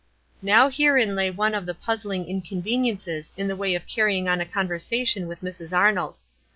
Now herein lay one of the puzzling inconven iences in the way of carrying on a conversation with Mrs Arnold.